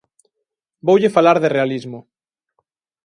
Voulle falar de realismo.